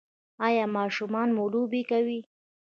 ایا ماشومان مو لوبې کوي؟